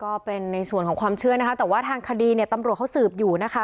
ก็เป็นในส่วนของความเชื่อนะคะแต่ว่าทางคดีเนี่ยตำรวจเขาสืบอยู่นะคะ